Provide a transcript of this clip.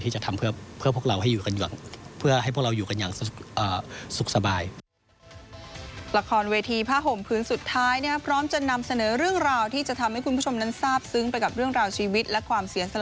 ที่จะทำเพื่อให้พวกเราอยู่กันอย่างสุขสบาย